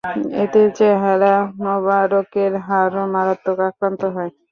এতে চেহারা মুবারকের হাড়ও মারাত্মক আক্রান্ত হয়।